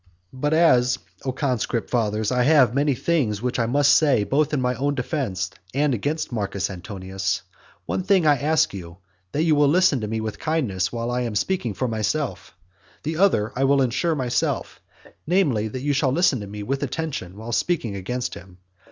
V. But as, O conscript fathers, I have many things which I must say both in my own defence and against Marcus Antonius, one thing I ask you, that you will listen to me with kindness while I am speaking for myself; the other I will ensure myself, namely, that you shall listen to me with attention while speaking against him.